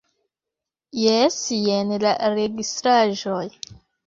Jes, jen la registraĵoj.